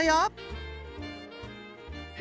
え？